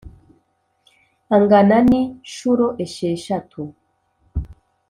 angana ni nshuro esheshatu